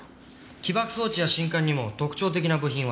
起爆装置や信管にも特徴的な部品は使われてません。